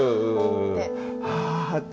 はあって。